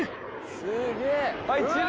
すげえ。